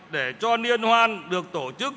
để cho niên hoan được tổ chức